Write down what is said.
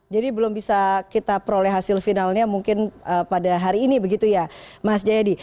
jadi belum bisa kita peroleh hasil finalnya mungkin pada hari ini begitu ya mas jayadi